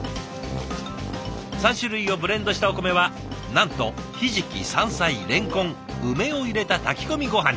３種類をブレンドしたお米はなんとひじき山菜れんこん梅を入れた炊き込みごはんに。